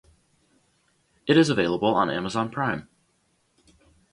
It is available on Amazon Prime.